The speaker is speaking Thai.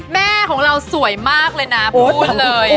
แม่ของเราสวยมากเลยนะพูดเลย